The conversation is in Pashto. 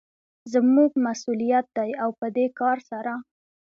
زموږ مسوليت دى او په دې کار سره